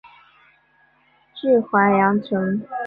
治淮阳城。